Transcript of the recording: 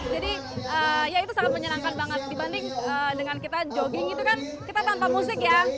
jadi ya itu sangat menyenangkan banget dibanding dengan kita jogging itu kan kita tanpa musik ya